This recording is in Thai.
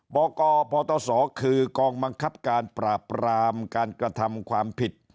บกพตศคือกองบังคับการปราบรามการกระทำความผิด